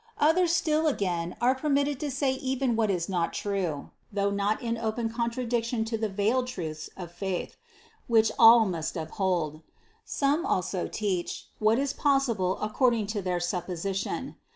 Others still again are per mitted to say even what is not true, though not in open contradiction to the veiled truths of faith, which all must hold. Some also teach, what is possible according to their supposition.